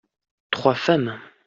trois femmes.